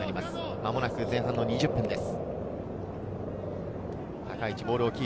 間もなく前半２０分です。